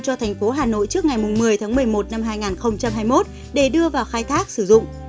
cho thành phố hà nội trước ngày một mươi tháng một mươi một năm hai nghìn hai mươi một để đưa vào khai thác sử dụng